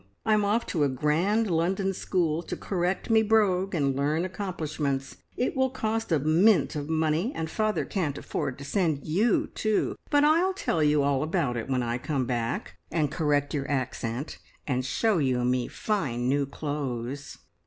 I'm off to a grand London school to correct me brogue and learn accomplishments. It will cost a mint of money, and father can't afford to send you too; but I'll tell you all about it when I come back, and correct your accent and show you me fine new clothes!"